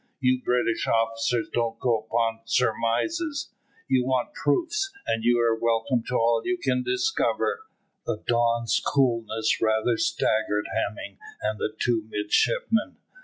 You British officers don't go upon surmises. You want proofs, and you are welcome to all you can discover." The Don's coolness rather staggered Hemming and the two midshipmen.